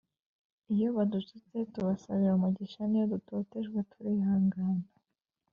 Iyo badututse tubasabira umugisha n iyo dutotejwe turihangana.